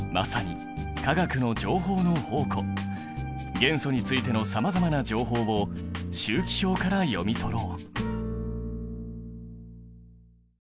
元素についてのさまざまな情報を周期表から読み取ろう！